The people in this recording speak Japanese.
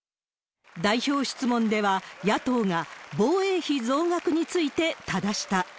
代表質問では、野党が防衛費増額についてただした。